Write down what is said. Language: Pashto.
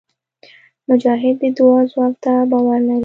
مجاهد د دعا ځواک ته باور لري.